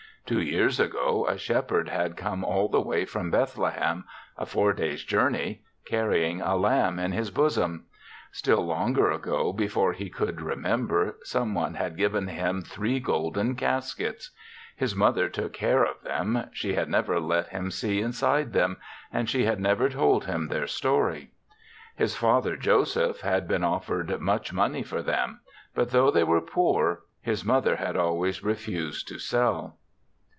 Two years ago a shep herd had come all the way from Bethlehem, a four days' journey, car rying a lamb in his bosom. Still longer ago, before he could remem ber, some one had given him three golden caskets. His mother took care of them; she had never let him see inside them, and she had never told him their story. His father, Joseph, had been offered much money for them; but though they were poor, his mother had always refused to sell.